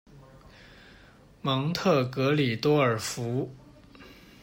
蒙特格里多尔福。